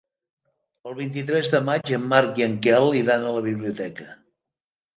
El vint-i-tres de maig en Marc i en Quel iran a la biblioteca.